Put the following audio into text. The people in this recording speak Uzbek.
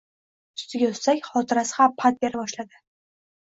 Ustiga-ustak, xotirasi ham pand bera boshladi